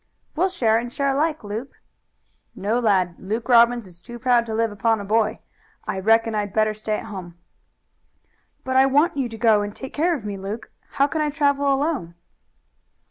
"We'll share and share alike, Luke." "No, lad. Luke Robbins is too proud to live upon a boy. I reckon I'd better stay at home." "But I want you to go and take care of me, Luke. How can I travel alone?"